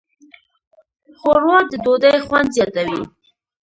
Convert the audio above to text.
ښوروا د ډوډۍ خوند زیاتوي.